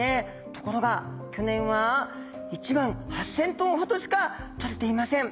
ところが去年は１万８，０００ｔほどしかとれていません。